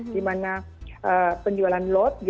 di mana penjualan lot